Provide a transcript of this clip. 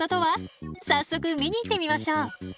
早速見に行ってみましょう。